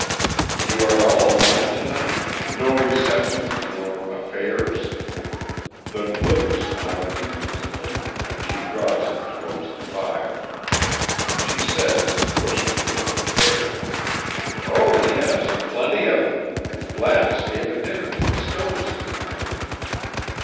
"You are all alone to night? No receptions, nor 'affairs'?" The glimmer smile deepens a little, and she draws him towards the fire. She says pushing him into the chair: "Oh yes plenty of them Gladys gave a dinner to the Stones to night."